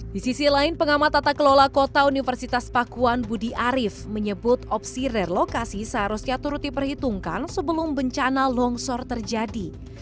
di sisi lain pengamat tata kelola kota universitas pakuan budi arief menyebut opsi relokasi seharusnya turut diperhitungkan sebelum bencana longsor terjadi